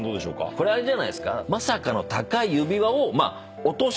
これあれじゃないですか？